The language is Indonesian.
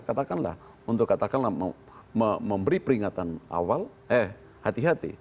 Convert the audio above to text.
katakanlah untuk katakanlah memberi peringatan awal eh hati hati